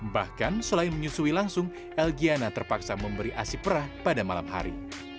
bahkan selain menyusui langsung elgiana terpaksa memberi asi perah pada malam hari